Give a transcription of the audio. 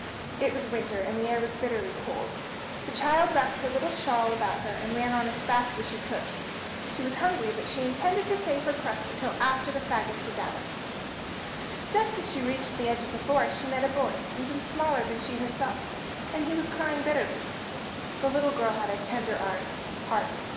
It was winter, and the air was bitterly cold. The child wrapped her little shawl about her, and ran on as fast as she could. She was hungry, but she intended to save her crust until after the fagots were gathered. Just as she reached the edge of the forest she met a boy, even smaller than she herself, and he was crying bitterly. The little girl had a tender heart.